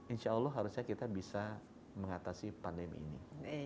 insya allah harusnya kita bisa mengatasi pandemi ini